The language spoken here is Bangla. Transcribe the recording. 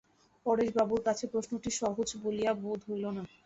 পরেশবাবুর কাছে প্রশ্নটি সহজ বলিয়া বোধ হইল না।